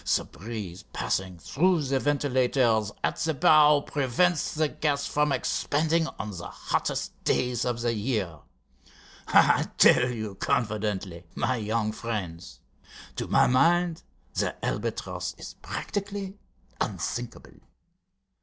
The breeze passing through the ventilators at the bow prevents the gas from expanding on the hottest days of the year. I tell you confidently, my young friends, to my mind the Albatross is practically unsinkable."